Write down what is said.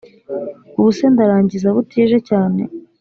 Ubuse ndarangiza butije cyane